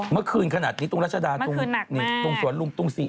เมื่อคืนขนาดนี้ตุ๊งรัชดาตุ๊งสวนหลุงตุ๊งสี่